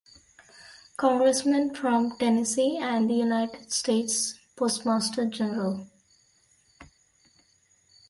Congressman from Tennessee and the United States Postmaster General.